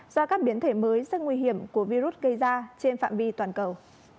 do các biến thể mới rất nguy hiểm của virus gây ra trên phạm vi toàn cầu